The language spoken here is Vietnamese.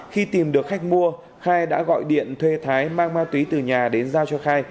khi tìm được khách mua khai đã gọi điện thuê thái mang ma túy từ nhà đến giao cho khai